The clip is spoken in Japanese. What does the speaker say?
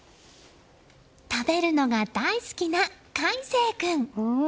食べるのが大好きな魁星君。